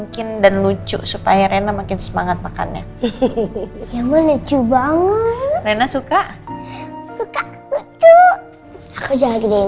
kau mendingan mandiin askara deh